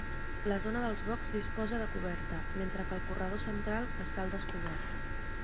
La zona dels boxs disposa de coberta, mentre que el corredor central està al descobert.